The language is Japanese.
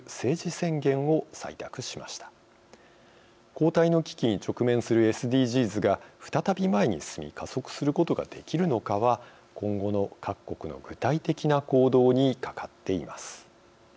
後退の危機に直面するＳＤＧｓが再び前に進み加速することができるのかは今後の各国の具体的な行動にかかっています。